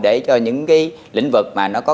để cho những cái lĩnh vực mà nó có